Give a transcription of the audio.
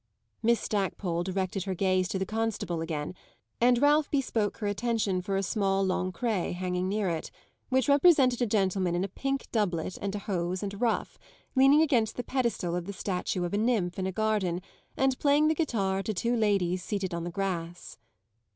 Miss Stackpole directed her gaze to the Constable again, and Ralph bespoke her attention for a small Lancret hanging near it, which represented a gentleman in a pink doublet and hose and a ruff, leaning against the pedestal of the statue of a nymph in a garden and playing the guitar to two ladies seated on the grass.